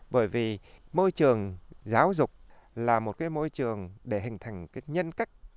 bởi vì môi trường giáo dục là một môi trường để hình thành nhân cách